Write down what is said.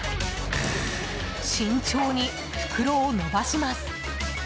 慎重に袋を伸ばします。